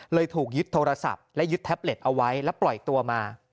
ถูกยึดโทรศัพท์และยึดแท็บเล็ตเอาไว้แล้วปล่อยตัวมา